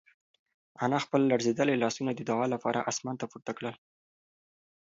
انا خپل لړزېدلي لاسونه د دعا لپاره اسمان ته پورته کړل.